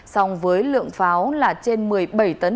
song với lượng pháo là trên một mươi bảy tấn